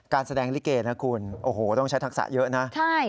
การแสดงลิเกนะคุณโอ้โหต้องใช้ทักษะเยอะนะ